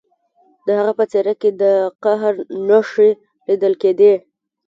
د هغه په څیره کې د قهر نښې لیدل کیدې